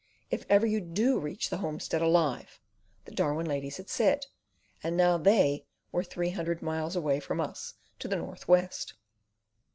"If ever you DO reach the homestead alive," the Darwin ladies had said; and now they were three hundred miles away from us to the north west.